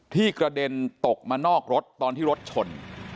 กระเด็นตกมานอกรถตอนที่รถชน